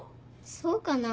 そうかな。